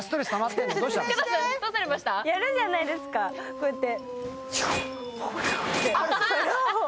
やるじゃないですか、こうやって。